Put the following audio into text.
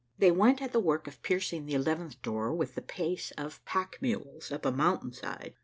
They went at the work of piercing the eleventh door with the pace of pack mules up a mountain side.